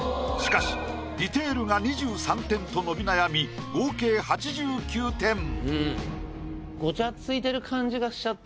しかしディテールが２３点と伸び悩み合計８９点。